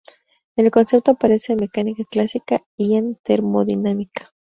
El concepto aparece en mecánica clásica y en termodinámica.